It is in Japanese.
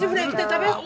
食べよう。